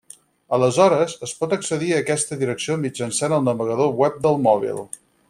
Aleshores, es pot accedir a aquesta direcció mitjançant el navegador web del mòbil.